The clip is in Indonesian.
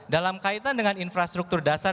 dalam kaitan dengan infrastruktur dasar